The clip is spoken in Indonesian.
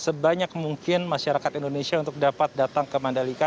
sebanyak mungkin masyarakat indonesia untuk dapat datang ke mandalika